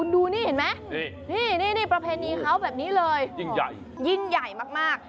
ดูนี่เห็นไหมนี่นี่นี่นี่ประเพณีเขาแบบนี้เลยยิ่งใหญ่มาก